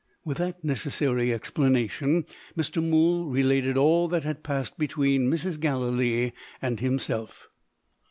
With that necessary explanation, Mr. Mool related all that had passed between Mrs. Gallilee and himself.